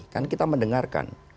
kan kita mendengarkan